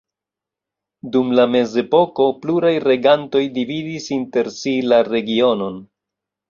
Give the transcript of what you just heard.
Dum la mezepoko pluraj regantoj dividis inter si la regionon.